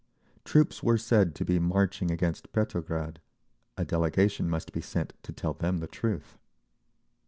Troops were said to be marching against Petrograd—a delegation must be sent to tell them the truth.